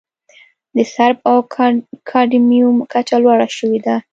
د سرب او کاډمیوم کچه لوړه شوې ده.